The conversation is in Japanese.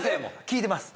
聴いてます